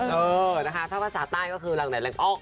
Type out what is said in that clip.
เออนะคะภาษาใต้ก็คือรักได้แรงออก